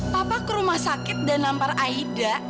papa ke rumah sakit dan lempar aida